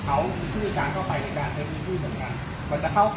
คิดว่าในอดีตที่ผ่านมามีการทรงดงในภารกิจภาพ